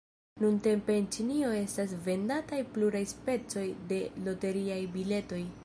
Nuntempe en Ĉinio estas vendataj pluraj specoj de loteriaj biletoj.